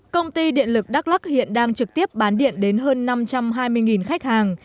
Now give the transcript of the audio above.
công ty điện lực đắk lắc hiện đang trực tiếp bán điện đến hơn năm trăm hai mươi khách hàng